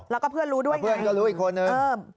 แล้วก็เพื่อนรู้ด้วยเพื่อนก็รู้อีกคนนึงเพิ่ม